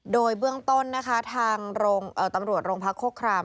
โดยเบื้องต้นนะคะทางตำรวจโรงพักโฆคราม